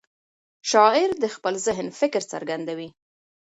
شاعر د خپل ذهن فکر څرګندوي.